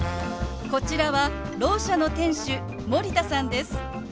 こちらはろう者の店主森田さんです。